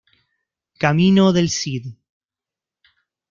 Camino del Cid.